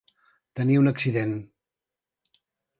Tenir un accident.